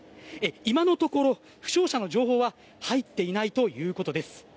今のところ、負傷者の情報は入っていないということです。